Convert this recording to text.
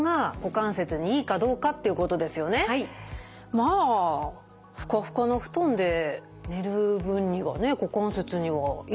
まあふかふかの布団で寝る分にはね股関節にはいいんじゃないでしょうか？